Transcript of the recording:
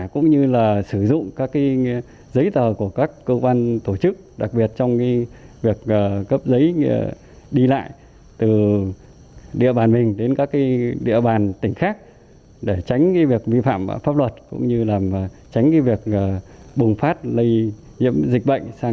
cũng như là sử dụng các giấy tờ của các cơ quan tổ chức